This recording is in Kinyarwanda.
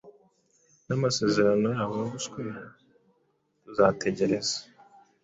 n'amasezerano yabo yo guswera? Tuzategereza